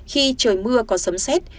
khi trời mưa có sấm xét